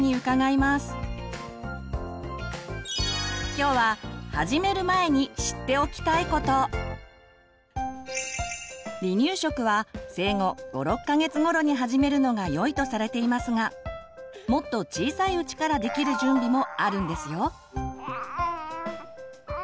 今日は離乳食は生後５６か月頃に始めるのがよいとされていますがもっと小さいうちからできる準備もあるんですよ。